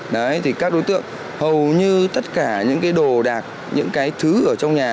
đấy thì các đối tượng hầu như tất cả những cái đồ đạc những cái thứ ở trong nhà